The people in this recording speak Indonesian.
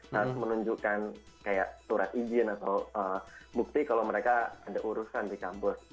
harus menunjukkan kayak surat izin atau bukti kalau mereka ada urusan di kampus